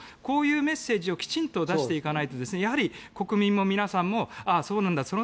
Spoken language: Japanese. こういうメッセージをきちんと出していかないとやはり国民も皆さんもそうなんだ